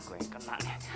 gue yang kenal ya